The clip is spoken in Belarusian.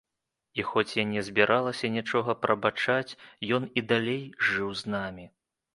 І хоць я не збіралася нічога прабачаць, ён і далей жыў з намі.